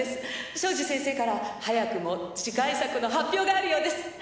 庄司先生から早くも次回作の発表があるようです。